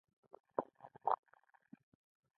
بوډا کړوپه ملا درلوده او کڅوړه یې پر خاورو کېښوده.